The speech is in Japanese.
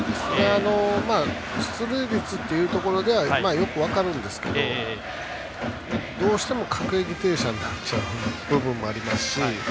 出塁率というところではよく分かるんですけどどうしても各駅停車になっちゃう部分もありますし。